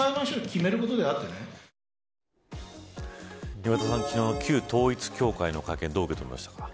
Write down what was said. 岩田さん、昨日、旧統一教会の会見どう受け止めましたか。